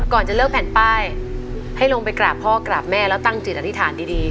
จะเลือกแผ่นป้ายให้ลงไปกราบพ่อกราบแม่แล้วตั้งจิตอธิษฐานดี